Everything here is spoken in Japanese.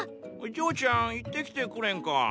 嬢ちゃん行ってきてくれンか。